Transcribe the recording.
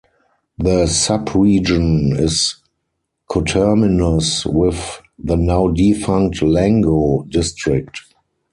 The sub-region is coterminus with the now defunct Lango District.